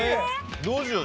どうしよう。